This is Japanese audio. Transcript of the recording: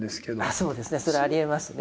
そうですねそれはありえますね。